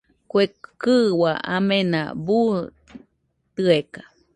Kue kɨua amena buu tɨeka.